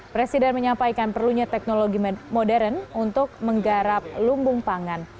presiden menyampaikan perlunya teknologi modern untuk menggarap lumbung pangan